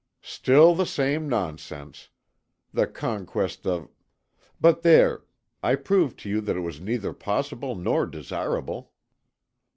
"Still the same nonsense! The conquest of but there, I proved to you that it was neither possible nor desirable."